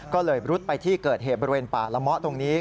ก็เลยรุดไปที่เกิดเหตุบริเวณป่าละเมาะตรงนี้